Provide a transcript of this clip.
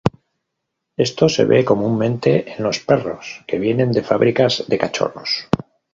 Esto se ve comúnmente en los perros que vienen de fábricas de cachorros.